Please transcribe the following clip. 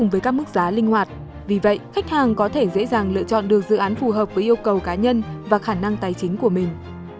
và linh hoạt vì vậy khách hàng có thể dễ dàng lựa chọn được dự án phù hợp với yêu cầu cá nhân và khả năng tài chính của mình